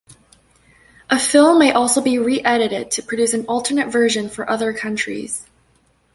A film may also be re-edited to produce an alternate version for other countries.